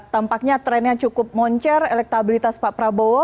tampaknya trennya cukup moncer elektabilitas pak prabowo